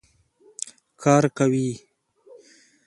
کار کوي.